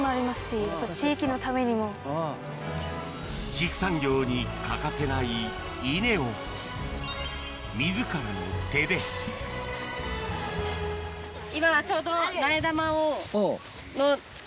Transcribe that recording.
畜産業に欠かせない稲を自らの手ですごっ。